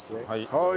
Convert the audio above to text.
はい。